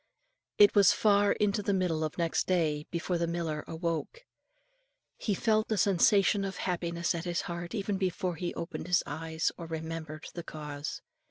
It was far into the middle of next day, before the miller awoke. He felt a sensation of happiness at his heart even before he opened his eyes, or remembered the cause.